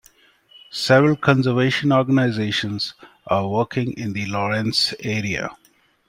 Several conservation organizations are working in the Lorentz area.